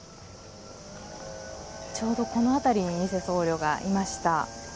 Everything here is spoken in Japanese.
ちょうどこの辺りに偽僧侶がいました。